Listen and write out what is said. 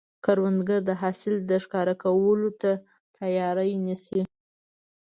کروندګر د حاصل ښکاره کولو ته تیاری نیسي